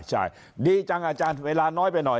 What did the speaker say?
ใช่ดีจังอาจารย์เวลาน้อยไปหน่อย